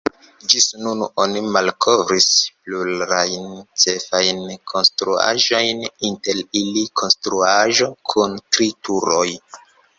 Ĝis nun oni malkovris plurajn ĉefajn konstruaĵojn, inter ili konstruaĵo kun tri turoj.